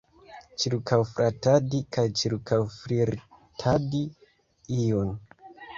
Ĉirkaŭflatadi kaj ĉirkaŭflirtadi iun.